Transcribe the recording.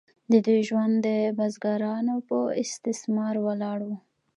د دوی ژوند د بزګرانو په استثمار ولاړ و.